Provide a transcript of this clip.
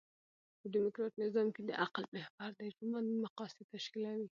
په ډيموکراټ نظام کښي د عقل محور د ژوند مقاصد تشکیلوي.